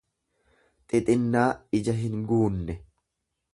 xixinnaa ija hinguunne.